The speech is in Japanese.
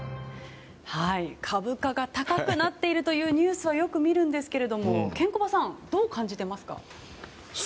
株価が高くなっているというニュースはよく見るんですけどケンコバさんどう感じていますか？